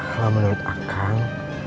kalau menurut akang